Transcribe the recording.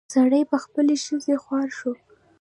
سړي په خپلې ښځې خواړه شو.